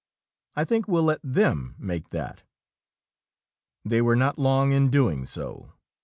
"I think we'll let them make that." They were not long in doing so.